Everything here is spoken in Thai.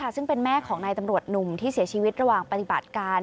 ซึ่งเป็นแม่ของนายตำรวจหนุ่มที่เสียชีวิตระหว่างปฏิบัติการ